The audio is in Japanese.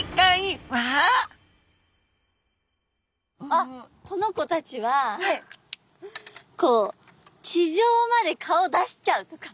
あっこの子たちはこう地上まで顔出しちゃうとか。